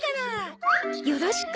よろしく。